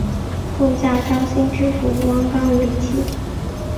后嫁绍兴知府汪纲为妻。